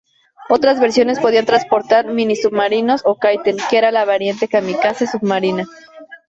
Otras versiones podían transportar minisubmarinos o "kaiten", que eran la variante "kamikaze" submarina.